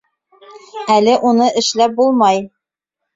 Әле уны эшләп булмай.